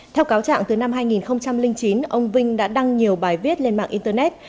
theo cáo trạng từ năm hai nghìn chín ông vinh đã đăng nhiều bài viết lên mạng internet